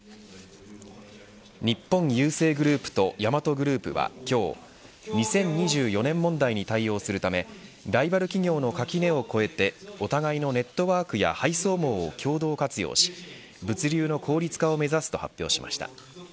日本郵政グループとヤマトグループは今日２０２４年問題に対応するためライバル企業の垣根を越えてお互いのネットワークや配送網を共同活用し物流の効率化を目指すと発表しました。